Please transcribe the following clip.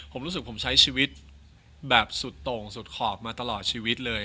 ผมรู้สึกผมใช้ชีวิตแบบสุดโต่งสุดขอบมาตลอดชีวิตเลย